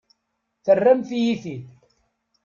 Terramt-iyi-t-id.